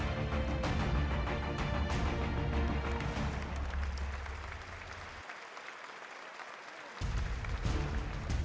angkat tangannya indonesia